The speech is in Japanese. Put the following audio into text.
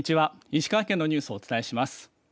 石川県のニュースをお伝えします